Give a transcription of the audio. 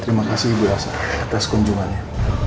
terima kasih made with atas kunjungannya